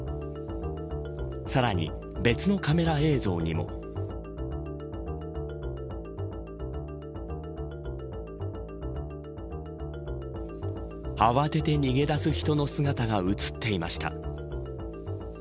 さらに別のカメラ映像にも。慌てて逃げ出す人の姿が映っていました。